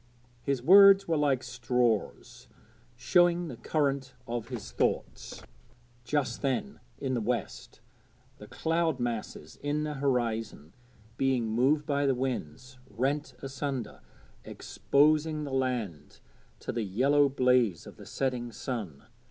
His words were like straws, showing the current of his thoughts. Just then in the west the cloud masses in the horizon, being moved by the winds, rent asunder, exposing the land to the yellow blaze of the setting sun.